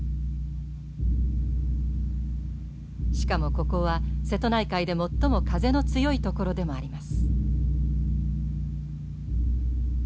しかもここは瀬戸内海で最も風の強い所でもあります。